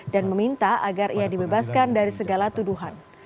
dan meminta agar ia dibebaskan dari segala tuduhan